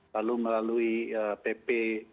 lalu melalui pp dua puluh satu